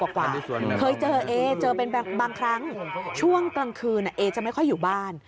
เคยเจอเอเจอเป็นบางครั้งช่วงกลางคืนเอจะไม่ค่อยอยู่บ้าน